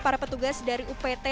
para petugas dari upt